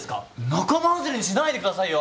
仲間外れにしないでくださいよ。